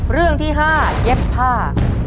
เรื่องที่๕เย็บผ้า